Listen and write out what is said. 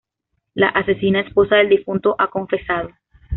La asesina, esposa del difunto, ha confesado.